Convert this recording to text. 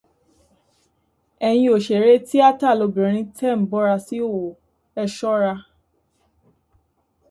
Ẹ̀yin òṣèré tíátà lóbìnrin tẹ́ ǹ bọ́ra sí ìhòhò, ẹ sọ́ra.